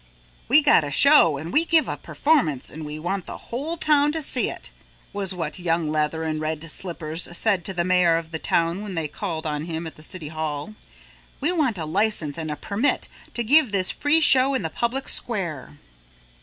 "We got a show and we give a performance and we want the whole town to see it," was what Young Leather and Red Slippers said to the mayor of the town when they called on him at the city hall. "We want a license and a permit to give this free show in the public square."